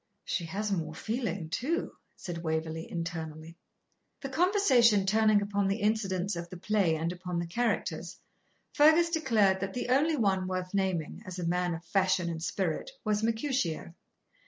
'She has more feeling too,' said Waverley, internally. The conversation turning upon the incidents of the play and upon the characters, Fergus declared that the only one worth naming, as a man of fashion and spirit, was Mercutio.